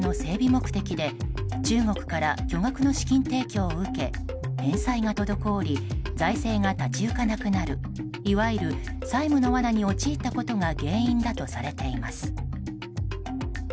目的で中国から巨額の資金提供を受け返済が滞り財政が立ち行かなくなるいわゆる債務の罠に陥ったことが原因だとされています。